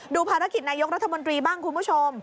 ภารกิจนายกรัฐมนตรีบ้างคุณผู้ชม